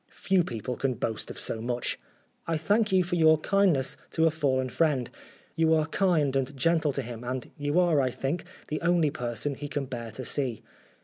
Few people can boast of so much. " I thank you for your kindness to a fallen friend ; you are kind and gentle to him, and you are, I think, the only person he can bear to see.